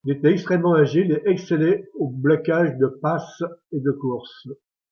Il était extrêmement agile et excellait au blocage de passe et de course.